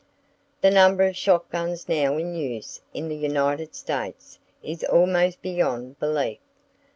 The number of shot guns now in use in the United States is almost beyond belief.